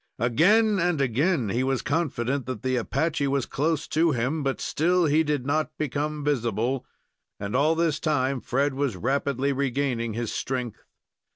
Again and again he was confident that the Apache was close to him, but still he did not become visible, and all this time Fred was rapidly regaining his strength.